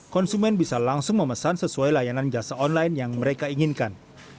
konsumen bisa langsung memesan sesuai layanan jasa online yang mereka inginkan